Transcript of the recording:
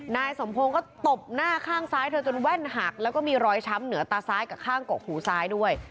นายสมพงศ์ก็ตบหน้าข้างซ้ายเธอจนแว่นหักแล้วก็มีรอยช้ำเหนือตาซ้ายกับข้างกกหูซ้ายด้วย